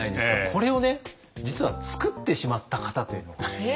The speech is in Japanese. これをね実は作ってしまった方というのが。